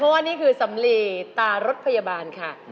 เพราะว่านี่คือสำลีตารถพยาบาลค่ะ